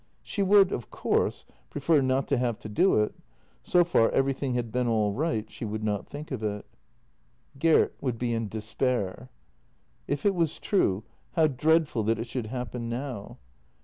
She would, of course, prefer not to have to do it; so far everything had been all right — she would not think of it. Gert would be in despair. If it was true, how dreadful that it should happen now.